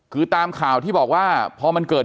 คือตามข่าวที่บอกว่าพอมันเกิด